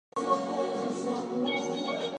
By then he and his wife had two young children.